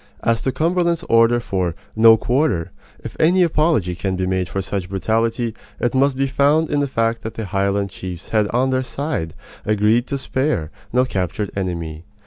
As to Cumberland's order for "No quarter," if any apology can be made for such brutality, it must be found in the fact that the Highland chiefs had on their side agreed to spare no captured enemy.